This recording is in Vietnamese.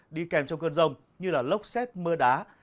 đi kèm trong cơn rông như lốc xét mưa đá